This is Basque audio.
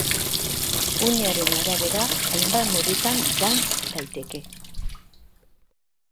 Unearen arabera, hainbat modutan jantz daiteke.